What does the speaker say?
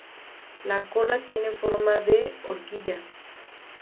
La cola tiene forma de horquilla.